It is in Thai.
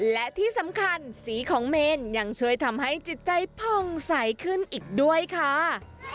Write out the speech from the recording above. และที่สำคัญสีของเมนยังช่วยทำให้จิตใจผ่องใสขึ้นอีกด้วยค่ะ